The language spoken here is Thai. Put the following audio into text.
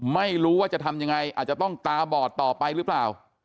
ไม่รู้ว่าจะทำยังไงอาจจะต้องตาบอดต่อไปหรือเปล่า